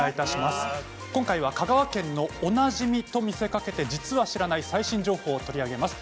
今回は香川県のおなじみと見せかけて実は知らない最新情報を取り上げます。